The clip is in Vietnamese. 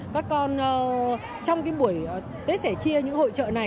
các con trong buổi tết sẻ chia những hội trợ này